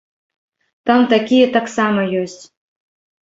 Там такія таксама ёсць.